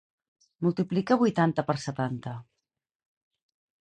Multiplica vuitanta per setanta.